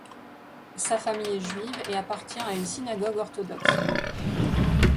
Sa famille est juive et appartient à une synagogue orthodoxe.